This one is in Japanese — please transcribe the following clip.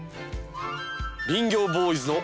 林業ボーイズの。